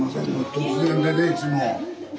突然でねいつも。